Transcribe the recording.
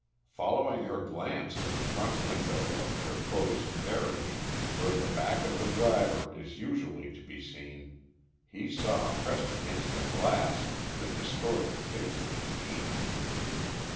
Following her glance to the front window of their closed carriage, where the back of the driver is usually to be seen, he saw pressed against the glass the distorted face of a demon.